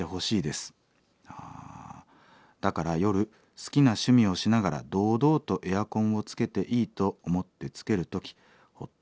だから夜好きな趣味をしながら堂々とエアコンをつけていいと思ってつける時ほっとしています。